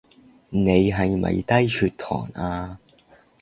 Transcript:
你係咪低血糖呀？